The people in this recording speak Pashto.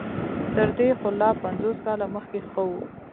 تر دې خو لا پنځوس کاله مخکې ښه وو.